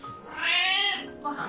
ごはん？